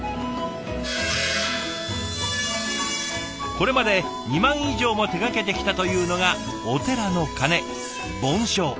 これまで２万以上も手がけてきたというのがお寺の鐘梵鐘。